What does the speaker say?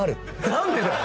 何でだよ！